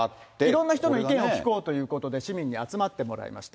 いろんな人の意見を聞こうということで、市民に集まってもらいました。